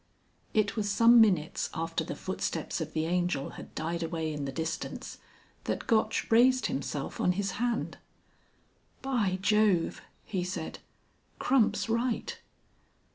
It was some minutes after the footsteps of the Angel had died away in the distance that Gotch raised himself on his hand. "By Jove!" he said. "Crump's right."